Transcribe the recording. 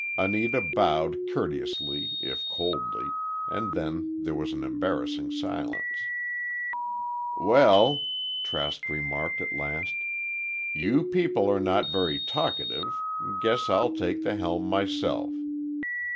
Anita bowed courteously if coldly, and then there was an embarrassing silence. "Well," Trask remarked, at last, "you people are not very talkative, guess I'll take the helm myself.